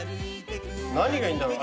何がいいんだろう。